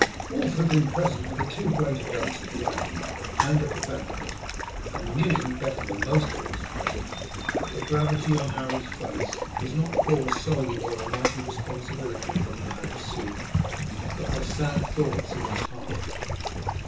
Wulf had been present at the two great events at the abbey and at the banquet, and knew, better than most of those present, that the gravity on Harold's face was not caused solely by the mighty responsibility that he had assumed, but by sad thoughts in his heart.